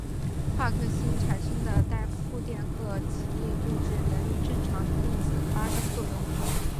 夸克星产生的带负电荷奇异物质能与正常粒子发生作用。